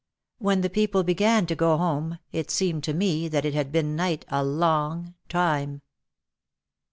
When the people began to go home it seemed to me that it had been night a long time.